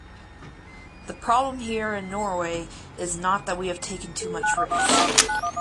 The problem here in Norway is not that we have taken too much risk.